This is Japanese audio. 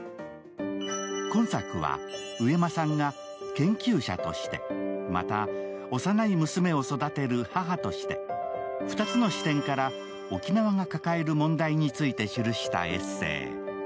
今作は、上間さんが研究者として、また、幼い娘を育てる母として２つの視点から沖縄が抱える問題について記したエッセイ。